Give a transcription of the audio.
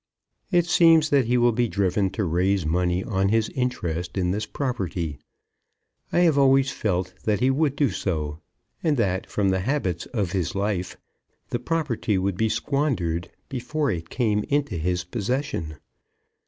It seems that he will be driven to raise money on his interest in this property. I have always felt that he would do so, and that from the habits of his life the property would be squandered before it came into his possession.